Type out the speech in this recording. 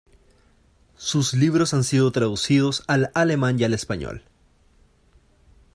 Sus libros han sido traducidos al alemán y al español.